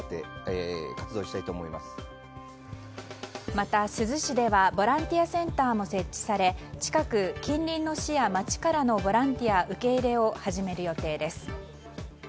また、珠洲市ではボランティアセンターも設置され近く近隣の市や町からのボランティア受け入れを始める予定です。